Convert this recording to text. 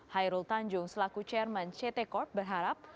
hairul tanjung selaku chairman ct corp berharap